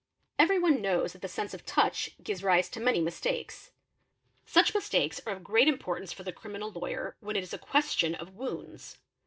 Everyone knows that the sense of touch gives rise to many mistakes ; such mistakes are of great import ance for the criminal lawyer when it is a question of wounds.